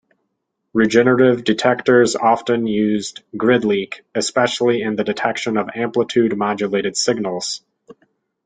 Regenerative detectors often used grid leak, especially in the detection of amplitude modulated signals.